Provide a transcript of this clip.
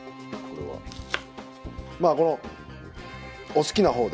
まあこのお好きな方で。